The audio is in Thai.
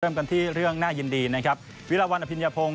ก็เริ่มกันที่เรื่องน่ายินดีเนี้ยครับวิราวัลอภิญญาโพง